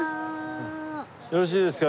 よろしいですか？